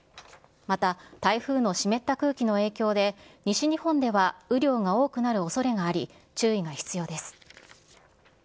また台風の湿った空気の影響で、西日本では雨量が多くなるおそれがあり、注意が必要です。